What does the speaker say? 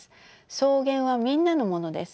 草原はみんなのものです。